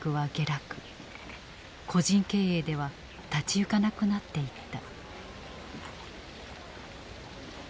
個人経営では立ち行かなくなっていった。